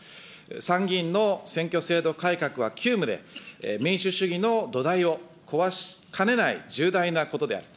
参議院の選挙制度改革は急務で、民主主義の土台を壊しかねない重大なことである。